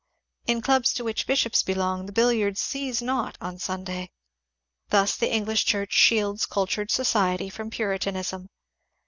In clubs to which bishops belong the billiards cease not on Sun day. Thus the English Church shields cultured society from Puritanism.